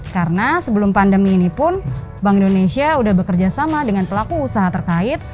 karena sebelum pandemi ini pun bank indonesia udah bekerja sama dengan pelaku usaha terkait